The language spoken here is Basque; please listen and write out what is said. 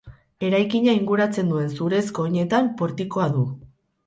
Eraikina inguratzen duen zurezko oinetan portikoa du.